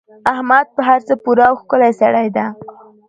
احمد په هر څه پوره او ښکلی سړی دی.